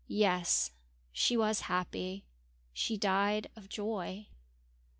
"Yes, she was happy. She died of joy."